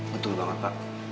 betul banget pak